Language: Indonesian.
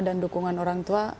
dan dukungan orang tua